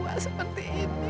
aku udah tua seperti ini